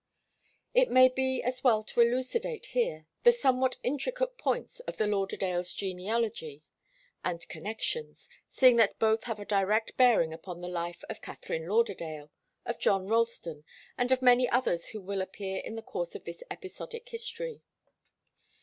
It may be as well to elucidate here the somewhat intricate points of the Lauderdales' genealogy and connections, seeing that both have a direct bearing upon the life of Katharine Lauderdale, of John Ralston, and of many others who will appear in the course of this episodic history.